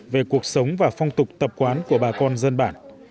về cuộc sống và phong tục tập quán của bà con dân bản